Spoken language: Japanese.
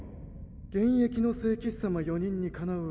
現役の聖騎士様４人にかなうわけが。